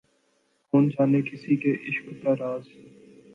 کون جانے کسی کے عشق کا راز